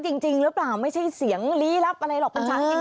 จริงหรือเปล่าไม่ใช่เสียงลี้ลับอะไรหรอกเป็นฉากจริง